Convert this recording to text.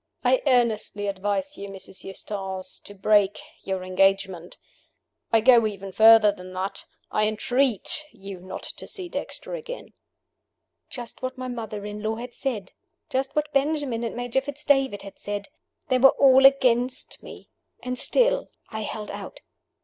"I earnestly advise you, Mrs. Eustace, to break your engagement. I go even further than that I entreat you not to see Dexter again." Just what my mother in law had said! just what Benjamin and Major Fitz David had said! They were all against me. And still I held out.